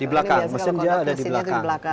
di belakang mesinnya ada di belakang